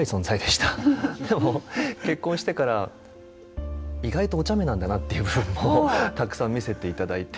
でも結婚してから意外とおちゃめなんだなっていう部分もたくさん見せていただいて。